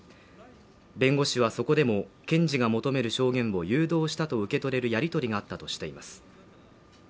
弁護士はそこでも検事が求める証言を誘導したと受け取れるやり取りがあったとしています。